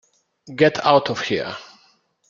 Get out of here.